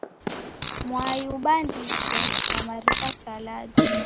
Mwai ubandisho na mariw'a talaji.